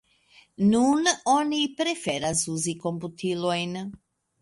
Nun oni preferas uzi komputilojn.